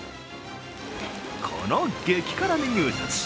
この激辛メニューたち